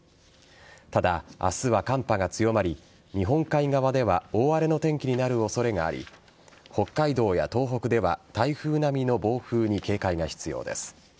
ただ、明日は寒波が強まり日本海側では大荒れの天気になる恐れがあり北海道や東北では台風並みの暴風に警戒が必要です。